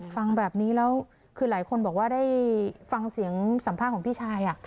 ฟังแบบนี้แล้วคือหลายคนบอกว่าได้ฟังเสียงสัมภาษณ์ของพี่ชาย